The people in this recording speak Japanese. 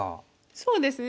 そうですね。